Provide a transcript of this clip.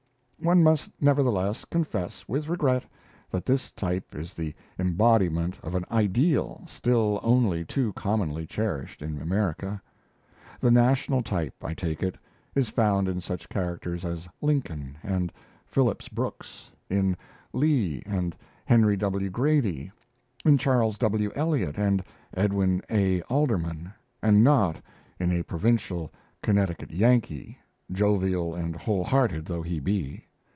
One must, nevertheless, confess with regret that this type is the embodiment of an "ideal" still only too commonly cherished in America. The national type, I take it, is found in such characters as Lincoln and Phillips Brooks, in Lee and Henry W. Grady, in Charles W. Eliot and Edwin A. Alderman, and not in a provincial 'Connecticut Yankee', jovial and whole hearted though he be.